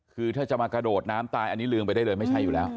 คือถ้าจะมากระโดดน้ำตายอันนี้ลืมไปได้เลยไม่ใช่อยู่แล้ว